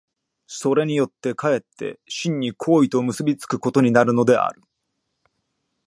それによって却って真に行為と結び付くことになるのである。